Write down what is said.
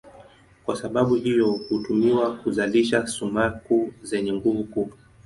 Kwa sababu hiyo hutumiwa kuzalisha sumaku zenye nguvu kuu.